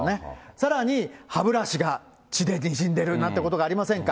さらに、歯ブラシが血でにじんでるなんてことありませんか？